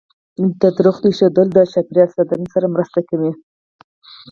د ونو ایښودل د چاپیریال ساتنې سره مرسته کوي.